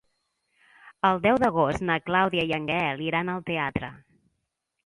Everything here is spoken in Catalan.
El deu d'agost na Clàudia i en Gaël iran al teatre.